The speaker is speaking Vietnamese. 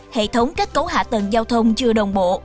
hệ thống kết cấu hạ tầng giao thông chưa đồng bộ